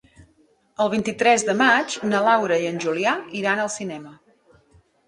El vint-i-tres de maig na Laura i en Julià iran al cinema.